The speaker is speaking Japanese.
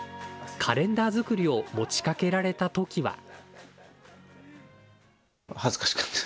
カレンダー作りを持ちかけられたときは。